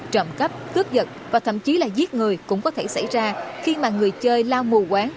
trộm cắp cướp giật và thậm chí là giết người cũng có thể xảy ra khi mà người chơi lao mù quán